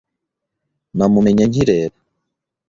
Namumenye nkireba.